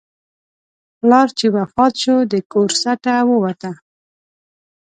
پلار چې وفات شو، د کور سټه ووته.